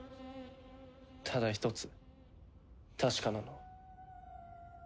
ただ一つ確かなのは。